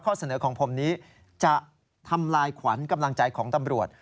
เสนอของผมนี้จะทำลายขวัญกำลังใจของตำรวจ